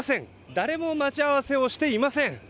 誰も待ち合わせをしていません。